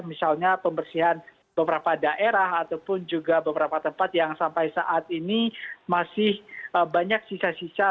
misalnya pembersihan beberapa daerah ataupun juga beberapa tempat yang sampai saat ini masih banyak sisa sisa